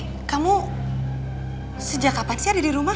tapi kamu sejak kapan sih ada di rumah